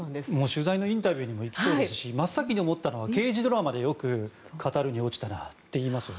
取材のインタビューにも生きていますし真っ先に思ったものはよく刑事ドラマで語るに落ちたなって。